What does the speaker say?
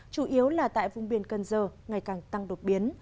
chủ yếu là tại vùng biển cần giờ ngày càng tăng đột biến